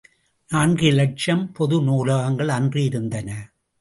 நான்கு இலட்சம் பொது நூலகங்கள் அன்று இருந்தன.